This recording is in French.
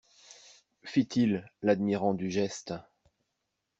Fit-il, l'admirant du geste.